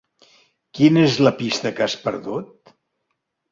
Quina és la pista que has perdut?